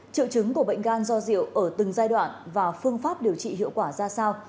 triệu chứng của bệnh gan do rượu ở từng giai đoạn và phương pháp điều trị hiệu quả ra sao